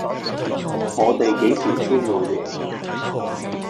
我地幾時先會贏